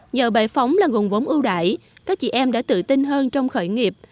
nhờ bài phóng là nguồn vốn ưu đại các chị em đã tự tin hơn trong khởi nghiệp